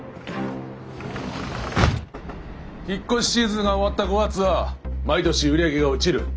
引っ越しシーズンが終わった５月は毎年売り上げが落ちる。